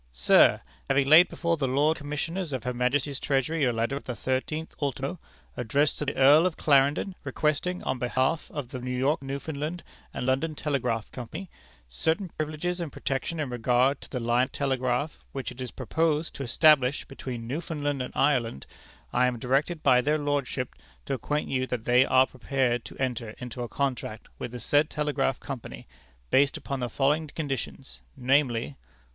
"Sir: Having laid before the Lords Commissioners of her Majesty's Treasury your letter of the 13th ultimo, addressed to the Earl of Clarendon, requesting, on behalf of the New York, Newfoundland, and London Telegraph Company, certain privileges and protection in regard to the line of telegraph which it is proposed to establish between Newfoundland and Ireland, I am directed by their lordships to acquaint you that they are prepared to enter into a contract with the said Telegraph Company, based upon the following conditions, namely: "1.